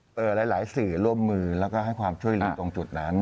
ว่าหลายหลายสิริร่วมมือแล้วก็ให้ความช่วยลิย์ตรงจุดนั้น